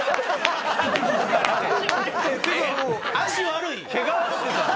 足悪いん？